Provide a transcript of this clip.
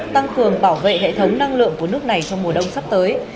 tăng cường bảo vệ hệ thống năng lượng của nước này trong mùa đông sắp tới